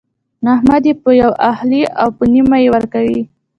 احمد يې په يوه اخلي او په نيمه يې ورکوي.